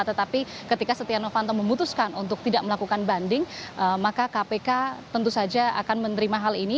tetapi ketika setia novanto memutuskan untuk tidak melakukan banding maka kpk tentu saja akan menerima hal ini